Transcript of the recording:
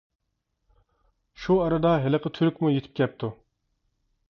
شۇ ئارىدا ھېلىقى تۈركمۇ يېتىپ كەپتۇ.